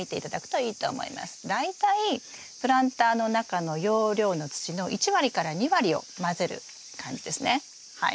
大体プランターの中の容量の土の１割から２割を混ぜる感じですねはい。